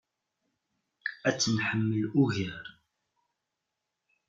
Ad tt-nḥemmel ugar.